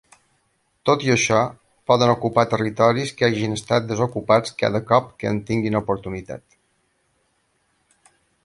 Tot i això, poden ocupar territoris que hagin estat desocupats cada cop que en tinguin oportunitat.